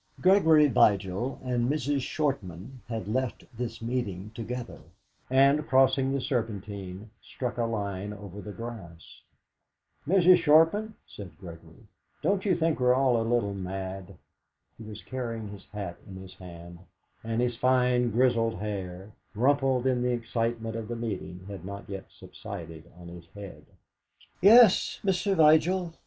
Gregory Vigil and Mrs. Shortman had left this meeting together, and, crossing the Serpentine, struck a line over the grass. "Mrs. Shortman," said Gregory, "don't you think we're all a little mad?" He was carrying his hat in his hand, and his fine grizzled hair, rumpled in the excitement of the meeting, had not yet subsided on his head. "Yes, Mr. Vigil.